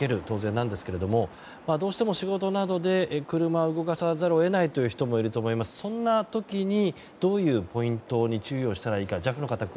当然なんですがどうしても仕事などで車を動かさぜるを得ないという方もいると思いますがそんな時に、どういうポイントに注意をしたらいいでしょうか。